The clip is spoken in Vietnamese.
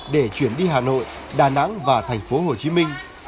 để chuyển đi hà nội đà nẵng và thành phố hồ chí minh